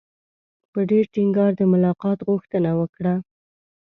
په ډېر ټینګار د ملاقات غوښتنه وکړه.